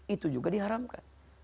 itu juga diharamkan